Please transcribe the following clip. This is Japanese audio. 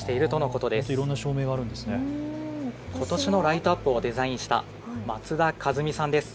ことしのライトアップをデザインした松田和実さんです。